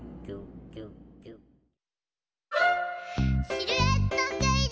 シルエットクイズ！